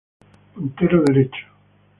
Puntero derecho.